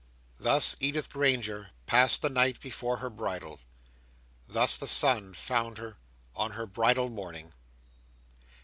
Thus Edith Granger passed the night before her bridal. Thus the sun found her on her bridal morning.